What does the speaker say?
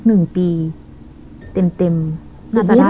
หนึ่งปีเต็มน่าจะได้